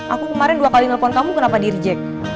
aku kemarin dua kali nelfon kamu kenapa dirijek